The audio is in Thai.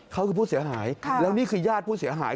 เขาคือผู้เสียหายแล้วนี่คือญาติผู้เสียหาย